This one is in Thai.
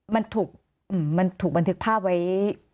มันถูกบันทึกภาพไว้